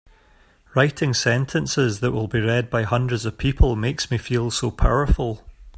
Writing sentences that will be read by hundreds of people makes me feel so powerful!